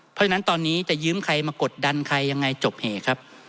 เพราะฉะนั้นตอนนี้จะยืมใครมากดดันใครยังไงจบเหครับ